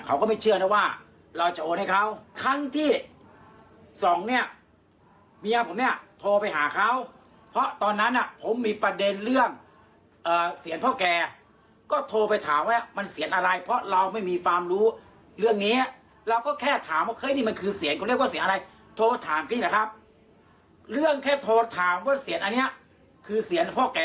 เขาก็ไม่เชื่อนะว่าเราจะโอนให้เขาครั้งที่สองเนี่ยเมียผมเนี่ยโทรไปหาเขาเพราะตอนนั้นอ่ะผมมีประเด็นเรื่องเสียงพ่อแกก็โทรไปถามว่ามันเสียงอะไรเพราะเราไม่มีความรู้เรื่องเนี้ยเราก็แค่ถามว่าเฮ้ยนี่มันคือเสียงเขาเรียกว่าเสียงอะไรโทรถามพี่นะครับเรื่องแค่โทรถามว่าเสียงอันเนี้ยคือเสียงพ่อแก่